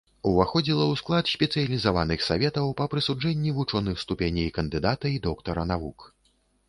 Уваходзіла ў склад спецыялізаваных саветаў па прысуджэнні вучоных ступеней кандыдата і доктара навук.